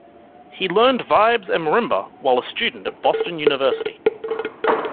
He learned vibes and marimba while a student at Boston University.